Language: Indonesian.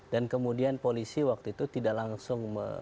dan kemudian polisi waktu itu tidak langsung